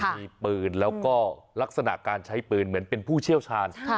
มีปืนแล้วก็ลักษณะการใช้ปืนเหมือนเป็นผู้เชี่ยวชาญ